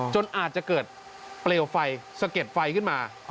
จนอาจจะเกิดเปลวไฟสะเก็ดไฟขึ้นมา